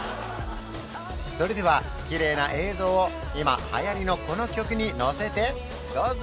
それではきれいな映像を今はやりのこの曲に乗せてどうぞ！